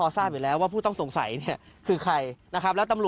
แต่ถ้าผู้ต้องสงสัยผู้พูดนะก็กลับต่อมา